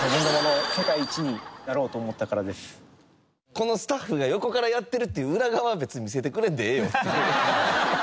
このスタッフが横からやってるっていう裏側は別に見せてくれんでええよ。